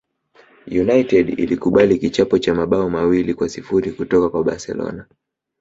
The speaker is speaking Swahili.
united ilikubali kichapo cha mabao mawili kwa sifuri kutoka kwa barcelona